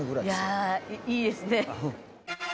いやいいですね。